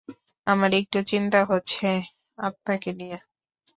আমার একটু চিন্তা হচ্ছে আপনাকে নিয়ে।